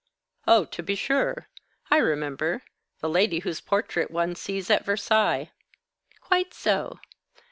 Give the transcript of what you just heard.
"Oh, to be sure. I remember. The lady whose portrait one sees at Versailles." "Quite so.